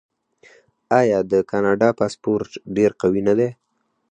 آیا د کاناډا پاسپورت ډیر قوي نه دی؟